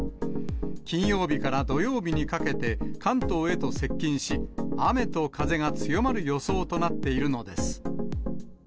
金曜日から土曜日にかけて関東へと接近し、雨と風が強まる予想となっているのです。